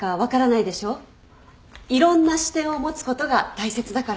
いろんな視点を持つことが大切だから。